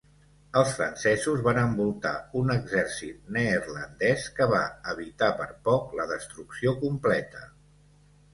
Els francesos van envoltar un exèrcit neerlandès, que va evitar per poc la destrucció completa.